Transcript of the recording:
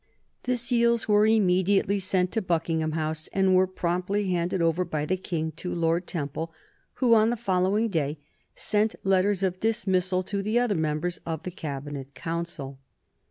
The seals were immediately sent to Buckingham House and were promptly handed over by the King to Lord Temple, who on the following day sent letters of dismissal to the other members of the Cabinet Council.